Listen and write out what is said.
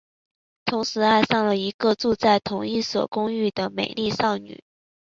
同时爱上了一个住在同一所公寓的美丽少女。